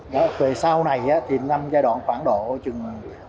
về sau này thì năm giai đoạn khoảng độ chừng hai nghìn một mươi bốn hai nghìn một mươi năm